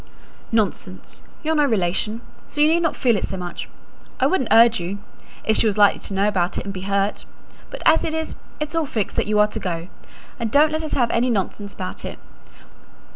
"Nonsense! You're no relation, so you need not feel it so much. I wouldn't urge you, if she was likely to know about it and be hurt; but as it is, it's all fixed that you are to go; and don't let us have any nonsense about it.